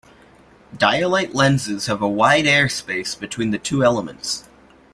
Dialyte lenses have a wide air space between the two elements.